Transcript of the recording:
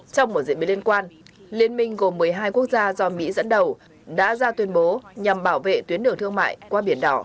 trong một diễn biến liên quan liên minh gồm một mươi hai quốc gia do mỹ dẫn đầu đã ra tuyên bố nhằm bảo vệ tuyến đường thương mại qua biển đỏ